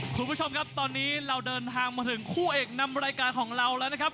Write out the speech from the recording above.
คุณผู้ชมครับตอนนี้เราเดินทางมาถึงคู่เอกนำรายการของเราแล้วนะครับ